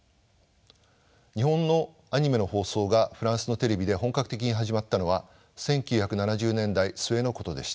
日本のアニメの放送がフランスのテレビで本格的に始まったのは１９７０年代末のことでした。